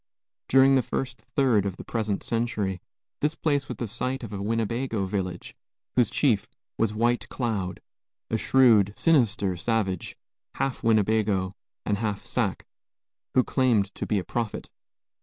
During the first third of the present century, this place was the site of a Winnebago village, whose chief was White Cloud, a shrewd, sinister savage, half Winnebago and half Sac, who claimed to be a prophet.